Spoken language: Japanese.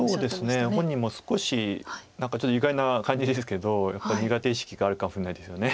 本人も少し何かちょっと意外な感じですけどやっぱり苦手意識があるかもしれないですよね。